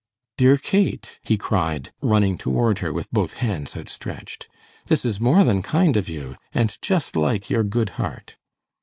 "Dear Kate!" he cried, running toward her with both hands outstretched, "this is more than kind of you, and just like your good heart."